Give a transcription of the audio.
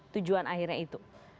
tujuan akhirnya itu